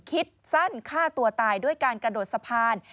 คิดสั้นฆ่าตัวตายด้วยการกระโดดสะพาน